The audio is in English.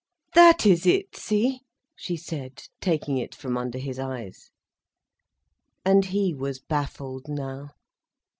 "That is it, see," she said, taking it from under his eyes. And he was baffled now.